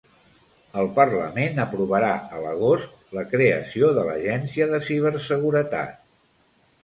El Parlament aprovarà a l'agost la creació de la l'Agència de Ciberseguretat.